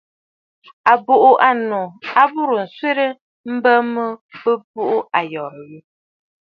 À bùʼû ànnnù a burə nswerə mbə mə bɨ̀ buʼu ayɔ̀rə̂ yi.